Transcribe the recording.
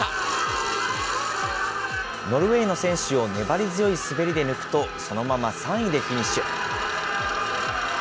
ノルウェーの選手を粘り強い滑りで抜くと、そのまま３位でフィニッシュ。